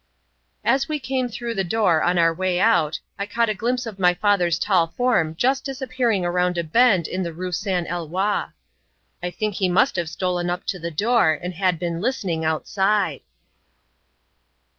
As we came through the door on our way out, I caught a glimpse of my father's tall form just disappearing around a bend in the Rue San Eloi. I think he must have stolen up to the door and had been listening outside!